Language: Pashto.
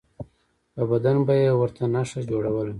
په بدن به یې ورته نښه جوړوله.